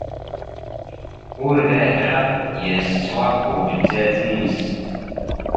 ⵓⵔ ⴱⴰⵀⵔⴰ ⵢⴰⵙⵜⵡⴰ ⵓⴱⴷⴷⴰⴷ ⵏⵏⵙ.